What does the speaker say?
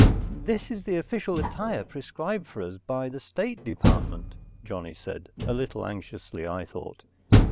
"This is the official attire prescribed for us by the State Department," Johnny said, a little anxiously, I thought.